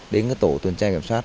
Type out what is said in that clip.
đến tổ tuần trai kiểm soát